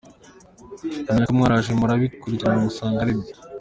Namwe mwaraje murabikurikirana, musanga ari byo.